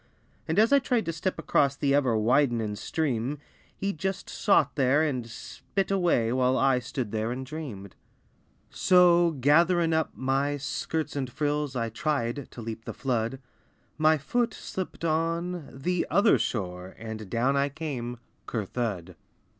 And as I tried to step across The ever widenin' stream, He just sot there and spit away, While I stood there and dreamed. So gatherin' up my skirts and frills I tried to leap the flood; My foot slipped on the "other shore" And down I came "cur thud."